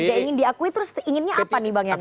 tidak ingin diakui terus inginnya apa nih bang yani